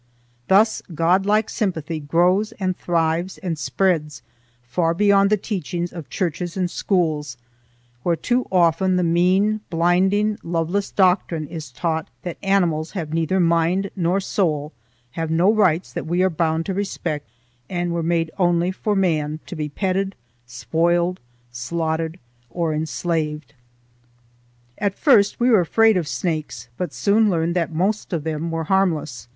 Thus godlike sympathy grows and thrives and spreads far beyond the teachings of churches and schools, where too often the mean, blinding, loveless doctrine is taught that animals have neither mind nor soul, have no rights that we are bound to respect, and were made only for man, to be petted, spoiled, slaughtered, or enslaved. At first we were afraid of snakes, but soon learned that most of them were harmless.